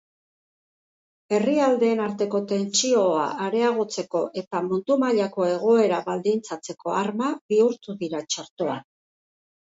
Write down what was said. Herrialdeen arteko tentsioa areagotzeko eta mundu mailako egoera baldintzatzeko arma bihurtu dira txertoak.